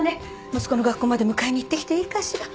息子の学校まで迎えに行ってきていいかしら